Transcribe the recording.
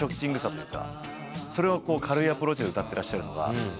それを軽いアプローチで歌ってらっしゃるのが。